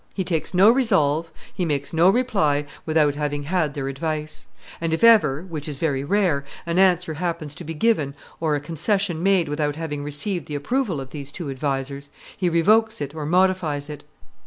He takes no resolve, he makes no reply, without having had their advice; and if ever, which is very rare, an answer happens to be given or a concession made without having received the approval of these two advisers, he revokes it or modifies it.